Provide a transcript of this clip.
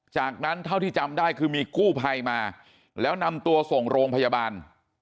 จากนั้นเท่าที่จำได้คือมีกู้ภัยมาแล้วนำตัวส่งโรงพยาบาล